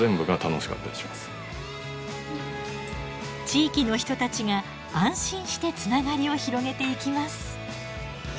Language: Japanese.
地域の人たちが安心してつながりを広げていきます。